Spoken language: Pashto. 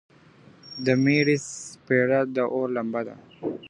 د میرې څپېړه د اور لمبه ده